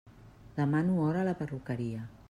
Demano hora a la perruqueria.